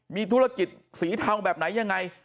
มีธุรกิจสีเทาแบบไหนยังไง